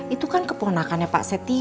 itu kan keponakannya pak setia